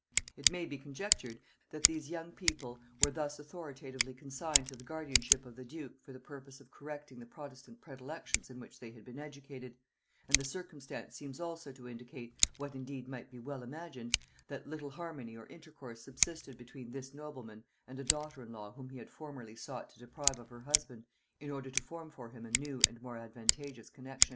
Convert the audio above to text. It may be conjectured that these young people were thus authoritatively consigned to the guardianship of the duke, for the purpose of correcting the protestant predilections in which they had been educated; and the circumstance seems also to indicate, what indeed might be well imagined, that little harmony or intercourse subsisted between this nobleman and a daughter in law whom he had formerly sought to deprive of her husband in order to form for him a new and more advantageous connexion.